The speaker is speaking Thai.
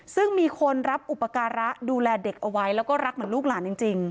ซึ่งมีคนรับอุปการะดูแลเด็กเอาไว้แล้วก็รักเหมือนลูกหลานจริง